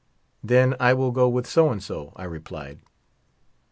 "Then I will go with so and so,'* I replied.